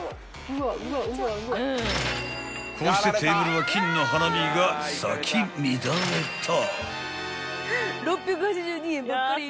［こうしてテーブルは金の花火が咲き乱れた］